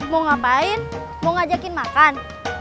mau ngapain mau ngajakin makan